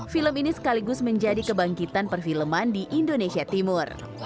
film ini sekaligus menjadi kebangkitan perfilman di indonesia timur